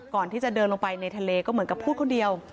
ก่อนที่จะเดินลงไปในทะเลก็เหมือนกับพูดคนเดียว